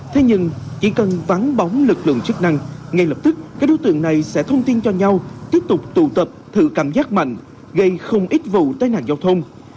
thế nhưng chỉ cần vắng bóng lực lượng chức năng ngay lập tức các đối tượng này sẽ thông tin cho nhau tiếp tục tụ tập thử cảm giác mạnh gây không ít vụ tai nạn giao thông